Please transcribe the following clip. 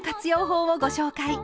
法をご紹介。